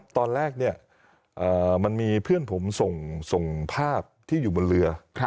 ตอนแรกมันมีเพื่อนผมส่งภาพที่อยู่บนเรือ